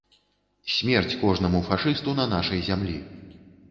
Смерць кожнаму фашысту на нашай зямлі!